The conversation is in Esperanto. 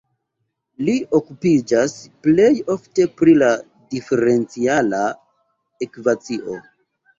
Li okupiĝas plej ofte pri la diferenciala ekvacio.